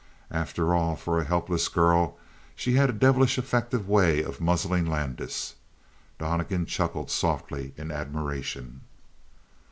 After all, for a helpless girl she had a devilish effective way of muzzling Landis. Donnegan chuckled softly in admiration.